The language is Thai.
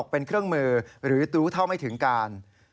เป็นเครื่องมือหรือรู้เท่าไม่ถึงการ